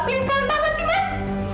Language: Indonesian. pelan pelan banget sih mas